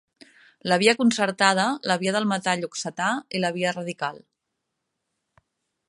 La via concertada, la via del metall oxetà i la via radical.